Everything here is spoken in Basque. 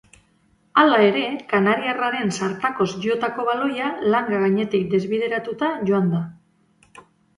Hala ere, kanariarraren zartakoz jotako baloia langa gainetik desbideratuta joan da.